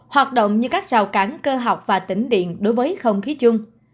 hoạt động như các rào cản cơ học và tỉnh điện đối với không khí chung